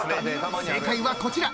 ［正解はこちら］